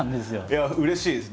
いやうれしいです。